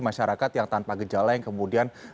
masyarakat yang tanpa gejala yang kemudian